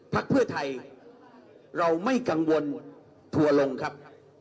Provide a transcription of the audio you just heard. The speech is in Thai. พักเพื่อไทยเราไม่กังวลทัวร์ลงครับ